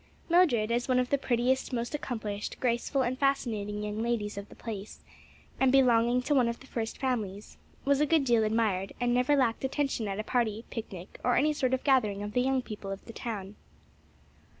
Mildred as one of the prettiest, most accomplished, graceful, and fascinating young ladies of the place, and belonging to one of the first families, was a good deal admired, and never lacked attention at a party, picnic or any sort of gathering of the young people of the town.